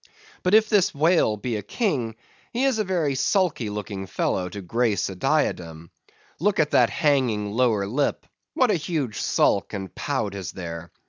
But if this whale be a king, he is a very sulky looking fellow to grace a diadem. Look at that hanging lower lip! what a huge sulk and pout is there!